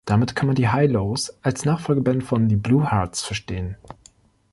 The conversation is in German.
Damit kann man die High-Lows als Nachfolgeband von The Blue Hearts verstehen.